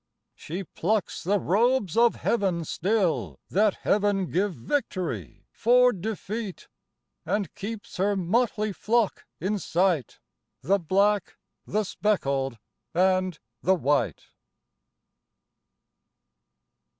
She plucks the Robes of Heaven still That Heaven give victory for defeat ; And keeps her motley flock in sight, The black, the speckled and the white.